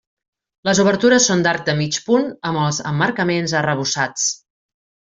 Les obertures són d'arc de mig punt, amb els emmarcaments arrebossats.